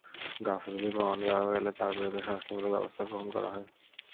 গাফিলতির প্রমাণ পাওয়া গেলে তাঁর বিরুদ্ধে শাস্তিমূলক ব্যবস্থা গ্রহণ করা হয়।